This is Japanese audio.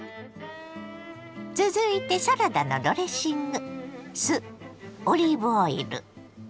続いてサラダのドレッシング。